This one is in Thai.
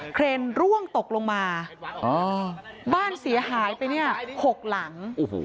เครนร่วงตกลงมาบ้านเสียหายไปเนี่ย๖หลัง